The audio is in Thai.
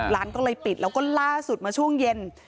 ร้านก็เลยปิดแล้วก็ล่าสุดมาช่วงเย็น